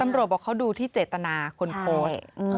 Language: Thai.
ตำรวจบอกเขาดูที่เจตนาคนโพสต์ใช่